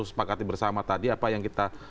sepakati bersama tadi apa yang kita